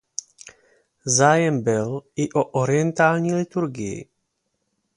Zájem byl i o orientální liturgii.